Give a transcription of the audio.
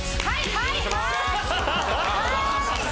はいはーい！